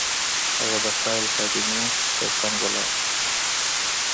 هغه د فایل کابینې ترڅنګ ولاړ و